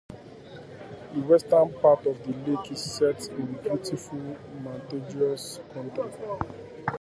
The western part of the lake is set in beautiful mountainous country.